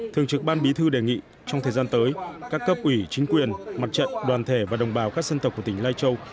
thường trực ban bí thư đề nghị trong thời gian tới các cấp ủy chính quyền mặt trận đoàn thể và đồng bào các dân tộc của tỉnh lai châu